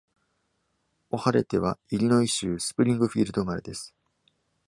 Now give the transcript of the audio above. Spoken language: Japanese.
Ohalete は、イリノイ州スプリングフィールド生まれです。